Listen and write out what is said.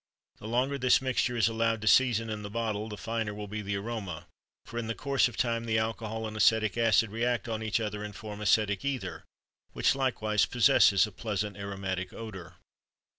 The longer this mixture is allowed to season in the bottle, the finer will be the aroma; for in the course of time the alcohol and acetic acid react on each other and form acetic ether, which likewise possesses a pleasant aromatic odor.